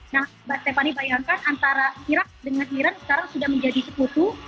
nah mbak stephani bayangkan antara irak dengan iran sekarang sudah menjadi sekutu